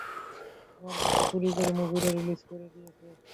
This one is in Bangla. আমার গল্প চুরি করে মুভিও রিলিজ করে দিয়েছে?